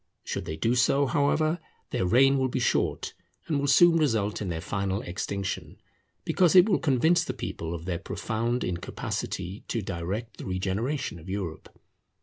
Should they do so, however, their reign will be short, and will soon result in their final extinction; because it will convince the people of their profound incapacity to direct the regeneration of Europe.